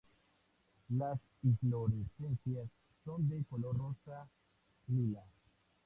Las inflorescencias son de color rosa-lila.